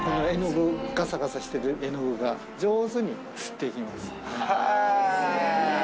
絵の具、がさがさしてる絵の具が、上手に吸っていきます。